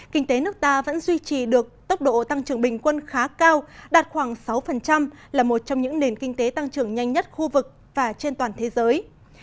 kinh tế nước ta vẫn duy trì được tốc độ tăng trưởng bình quân khá cao đạt khoảng sáu là một trong những nền kinh tế tăng trưởng nhanh nhất khu vực và trên toàn thế giới